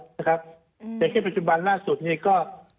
ในเกณฑ์ปัจจุบันล่าสุดนี้ก็